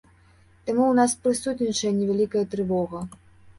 Таму ў нас прысутнічае невялікая трывога.